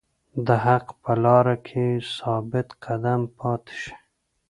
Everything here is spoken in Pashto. د حق په لاره کې ثابت قدم پاتې شئ.